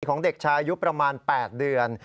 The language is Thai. ของเด็กชายอายุประมาณ๘เดือน